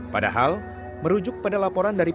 padahal merujuk pada laporan air minum